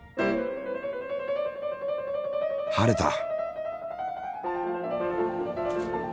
晴れた！